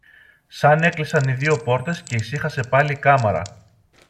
Σαν έκλεισαν οι δυο πόρτες και ησύχασε πάλι η κάμαρα